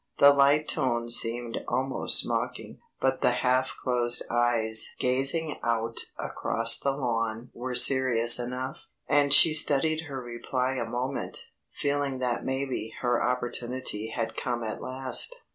The light tone seemed almost mocking, but the half closed eyes gazing out across the lawn were serious enough, and she studied her reply a moment, feeling that maybe her opportunity had come at last.